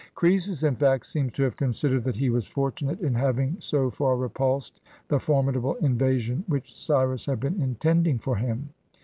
Croesus, in fact, seems to have considered that he was fortunate in having so far repulsed the formidable in vasion which Cyrus had been intending for him.